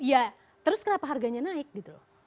ya terus kenapa harganya naik gitu